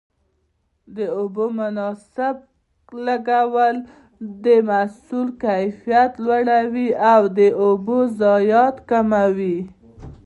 د اوبو مناسب لګول د محصول کیفیت لوړوي او د اوبو ضایعات کموي.